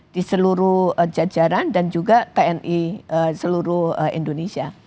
di seluruh jajaran dan juga tni seluruh indonesia